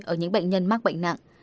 ở những bệnh nhân mắc bệnh nặng